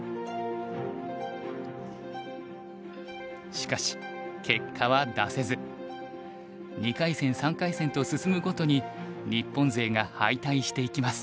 しかし結果は出せず２回戦３回戦と進むごとに日本勢が敗退していきます。